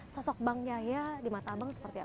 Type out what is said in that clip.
sosok bang yahya di mata abang seperti apa